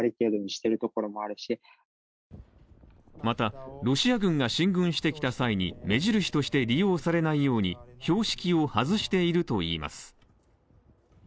また、ロシア軍が進軍してきた際に目印として利用されないように標識を外しているといいます。